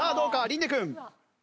琳寧君。